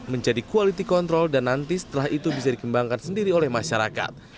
menjadi quality control dan nanti setelah itu bisa dikembangkan sendiri oleh masyarakat